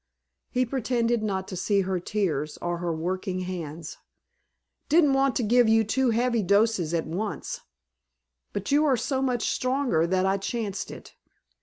He pretended not to see her tears, or her working hands. "Didn't want to give you too heavy doses at once, but you are so much stronger that I chanced it.